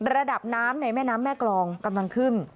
ระดับน้ำในแม่น้ำแม่กรองกำลังขึ้น